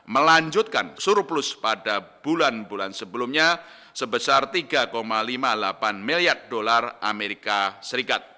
melanjutkan surplus pada bulan bulan sebelumnya sebesar tiga enam miliar dolar as